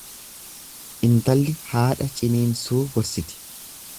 Intalli haadha ciniinsuu gorsiti.